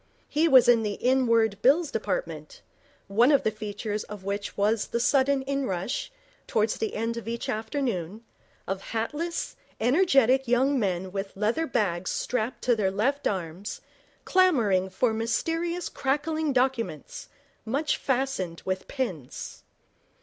He was in the Inward Bills Department, one of the features of which was the sudden inrush, towards the end of each afternoon, of hatless, energetic young men with leather bags strapped to their left arms, clamouring for mysterious crackling documents, much fastened with pins.